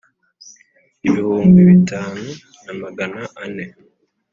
ibihumbi bitanu na Magana ane